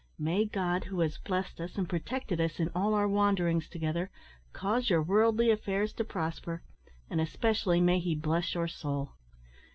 May God, who has blessed us and protected us in all our wanderings together, cause your worldly affairs to prosper, and especially may He bless your soul.